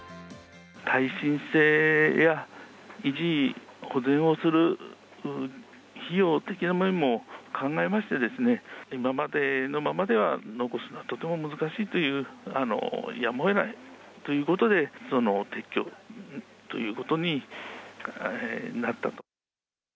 耐震性や維持・保全をする費用的な面も考えましてですね、今までのままでは残すのはとても難しいという、やむをえないということで、撤去ということになったと。